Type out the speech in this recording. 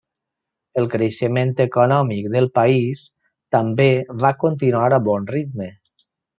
El creixement econòmic del país també va continuar a bon ritme.